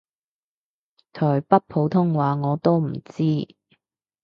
台北普通話我都唔知